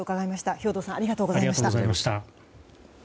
兵頭さんありがとうございました。